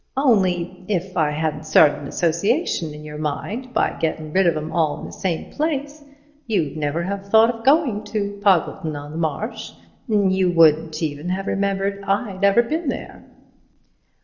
Only, if I hadn't started an association in your mind by gettin' rid of 'em all in the same place, you'd never have thought of goin' to Poggleton on the Marsh, 'n' you wouldn't even have remembered I'd ever been there."